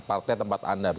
pakat tempat anda